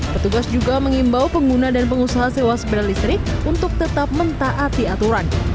petugas juga mengimbau pengguna dan pengusaha sewa sepeda listrik untuk tetap mentaati aturan